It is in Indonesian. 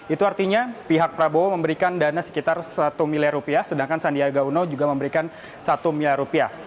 itu artinya pihak prabowo memberikan dana sekitar satu miliar rupiah sedangkan sandiaga uno juga memberikan satu miliar rupiah